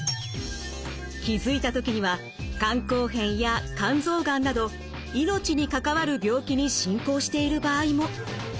気付いた時には肝硬変や肝臓がんなど命に関わる病気に進行している場合も。